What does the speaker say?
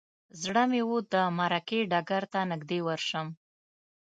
زړه مې و د معرکې ډګر ته نږدې ورشم.